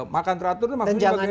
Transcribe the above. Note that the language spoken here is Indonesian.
makan teratur itu maksudnya bagaimana